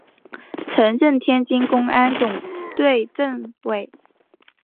曾任天津公安总队政委。